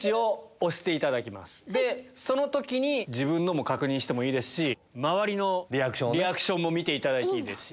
でその時に自分のも確認してもいいですし周りのリアクションも見ていただいていいですし。